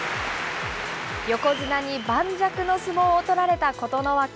横綱に盤石の相撲を取られた琴ノ若。